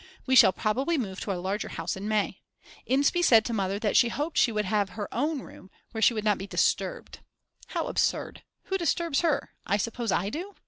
We shall probably move to a larger house in May. Inspee said to Mother that she hoped she would have her own room where she would not be disturbed. How absurd, who disturbs her, I suppose I do?